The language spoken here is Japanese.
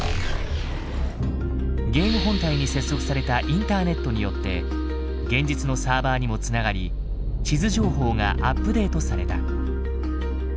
ゲーム本体に接続されたインターネットによって現実のサーバーにも繋がり地図情報がアップデートされた。